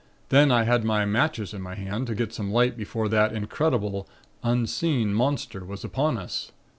Then I had my matches in my hand, to get some light before that incredible, unseen Monster was upon us.